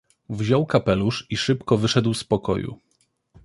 "Wziął kapelusz i szybko wyszedł z pokoju."